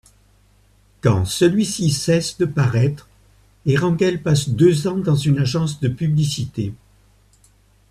Quand celui-ci cesse de paraître, Hérenguel passe deux ans dans une agence de publicité.